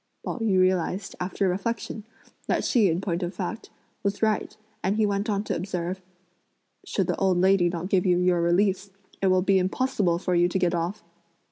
Pao yü realised, after reflection, that she, in point of fact, was right, and he went on to observe: "Should the old lady not give you your release, it will be impossible for you to get off."